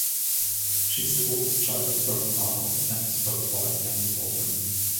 She is the oldest child of Bernard Arnault and his first wife, Anne Dewavrin.